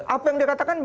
apa yang dikatakan benar